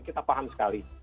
kita paham sekali